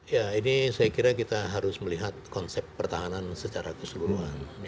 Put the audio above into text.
ya ini saya kira kita harus melihat konsep pertahanan secara keseluruhan